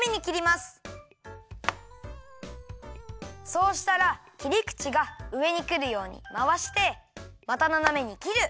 そうしたらきりくちがうえにくるようにまわしてまたななめにきる！